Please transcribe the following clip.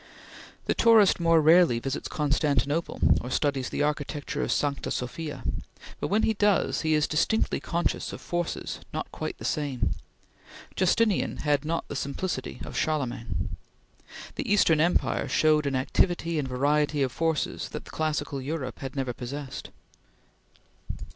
The tourist more rarely visits Constantinople or studies the architecture of Sancta Sofia, but when he does, he is distinctly conscious of forces not quite the same. Justinian has not the simplicity of Charlemagne. The Eastern Empire showed an activity and variety of forces that classical Europe had never possessed.